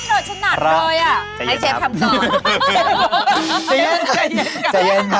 อุ๊ยล่อนเหนือชนัดเลยอ่ะให้เชฟทำก่อนเงินครับ